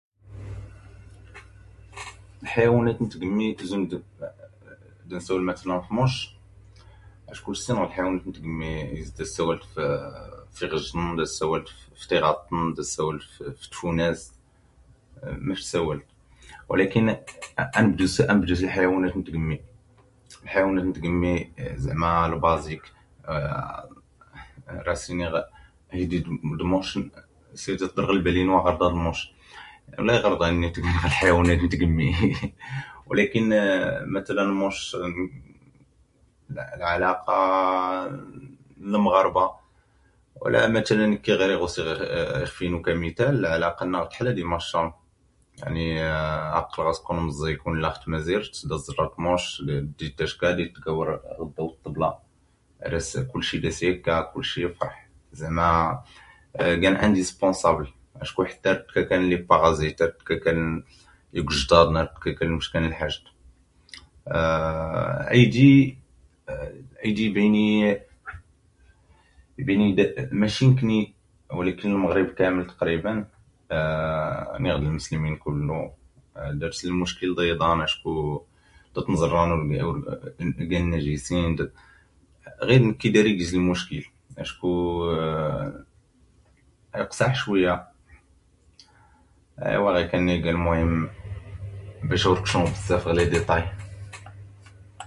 Lḥayawanat n tgmmi zun d, ad nsawl matalan f mucc, acku ur ssinɣ lḥayawanat n tgmmi is d a tsawalt f iɣjḍn d a tsawlt f tiɣaṭṭn d a tsawlt f tfunast, ma f tsawalt, walakin a nbdu s lḥayawanat n tgmmi, lḥayawanat n tgmmi, zɛma lbazik, ra as iniɣ *** mucc siɣ d iḍṛ ɣ lbal inu aɣṛḍa d mucc, llan iɣṛḍayn lli igan ɣ lḥayawanat n tgmmi, walakin matalan mucc, lɛalaqa n lmɣarba, wa la matalan nkki ɣir iɣ usiɣ ixf inu ka mital lɛalaqa nnaɣ tḥla d imaccawn, yaɛni aqqlɣ asqqul mẓẓiyɣ nlla ɣ tmazirt, da ẓṛṛaɣ mucc d da d ittacka da ittgawr ddaw ṭṭbla, ar, kulci da as yakka kulci qaḥḥ, zɛma gan andispunṣabl acku ḥtta kra liparazit ar ttka kra n igʷjḍaḍn ar ttkka kra n mnck n lḥajt, aydi ibayn iyi, maci nkkni walakin lmɣrib kaml tqriban niɣ d lmslmin kullu darsn lmuckil d iḍan acku da tn ẓṛṛan gan najisin, ɣid dari giq lmuckil acku iqsaḥ cwiya, awa ɣikann a iga bac ad ur kcmɣ bzzaf ɣ lidiṭay.